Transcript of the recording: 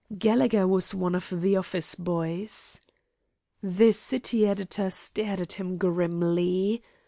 Gallegher was one of the office boys. The city editor stared at him grimly.